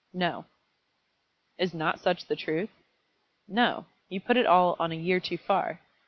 "No." "Is not such the truth?" "No; you put it all on a year too far.